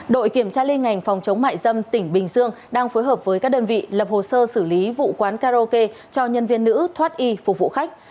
đội kiểm tra liên ngành phòng chống mại dâm tỉnh bình dương đang phối hợp với các đơn vị lập hồ sơ xử lý vụ quán karaoke cho nhân viên nữ thoát y phục vụ khách